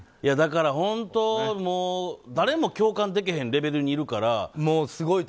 だから本当に誰も共感できへんレベルにいるから。